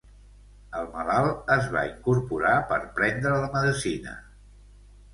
El malalt es va incorporar per prendre la medecina.